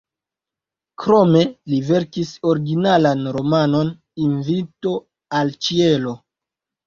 Krome li verkis originalan romanon "Invito al ĉielo".